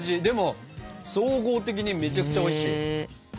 でも総合的にめちゃくちゃおいしい。